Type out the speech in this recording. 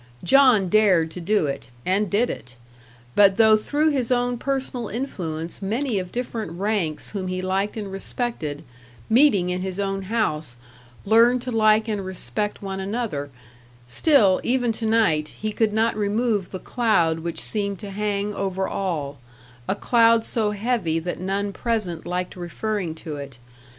John dared to do it and did it. But though through his own personal influence many of different ranks whom he liked and respected, meeting in his own house, learned to like and respect one another, still, even to night, he could not remove the cloud which seemed to hang over all a cloud so heavy that none present liked referring to it.